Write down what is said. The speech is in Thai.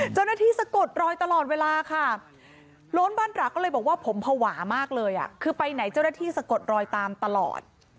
สะกดรอยตลอดเวลาค่ะโล้นบ้านตระก็เลยบอกว่าผมภาวะมากเลยคือไปไหนเจ้าหน้าที่สะกดรอยตามตลอด